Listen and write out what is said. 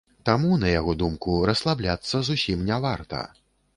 Таму, на яго думку, расслабляцца зусім не варта.